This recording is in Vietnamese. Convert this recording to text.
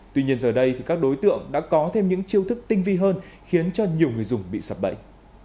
tuy nhiên giờ đây các đối tượng đã có thêm những chiêu thức tinh vi hơn khiến cho nhiều người dùng bị sập bẫy